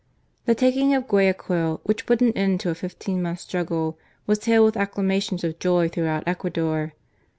The taking of Guayaquil, which put an end to a fifteen months' struggle, was hailed with acclama tions of joy throughout Ecuador.